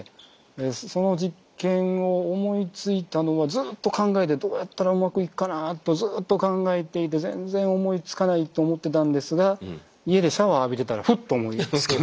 その実験を思いついたのはずっと考えてどうやったらうまくいくかなあとずっと考えていて全然思いつかないと思ってたんですが家でシャワー浴びてたらフッと思いつきまして。